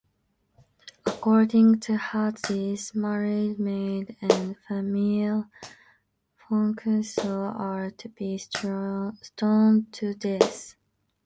According to Hadith married male and female fornicators are to be stoned to death.